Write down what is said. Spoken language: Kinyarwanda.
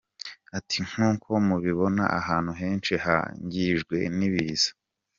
Ati “ Nk’uko mubibona ahantu henshi hangijwe n’ibiza.